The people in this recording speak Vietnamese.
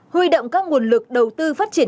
huy động các nguồn lực đầu tư phát triển